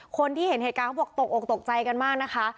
คนที่เห็นเหตุการณ์ตกตกใจกันมากนะคะ